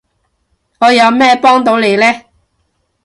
我有咩幫到你呢？